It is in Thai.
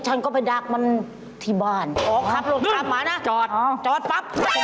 ฉันไม่แสดงว่าขนนั่วหลูกจักรฉันเยอะ